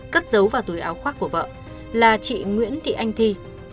cất dấu vào túi áo khoác của vợ là chị nguyễn thị anh thi